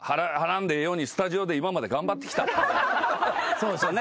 そうですよね。